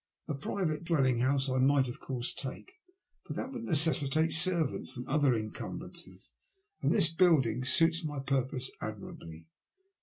A private dwelling house I might, of course, take, but that would necessitate servants and other incumbrances; this building suits my purposes admirably.